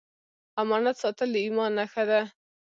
امانت ساتل د ایمان نښه ده